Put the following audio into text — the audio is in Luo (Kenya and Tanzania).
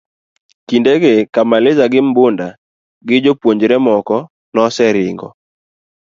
kinde gi te Kamaliza gi Mbunda gi jopuonjre moko noseringo